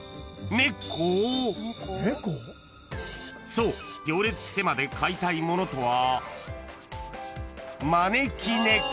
［そう行列してまで買いたいものとは］